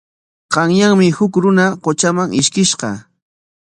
Qanyanmi huk runa qutraman ishkishqa.